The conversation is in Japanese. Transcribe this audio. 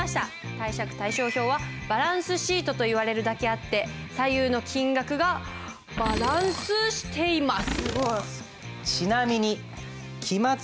貸借対照表はバランスシートといわれるだけあって左右の金額がバランスしています。